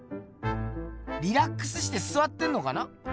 リラックスしてすわってんのかな？